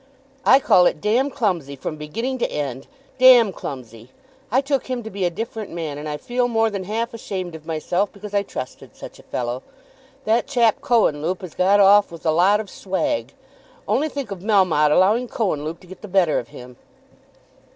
"I call it dam clumsy from beginning to end; dam clumsy. I took him to be a different man, and I feel more than half ashamed of myself because I trusted such a fellow. That chap Cohenlupe has got off with a lot of swag. Only think of Melmotte allowing Cohenlupe to get the better of him!"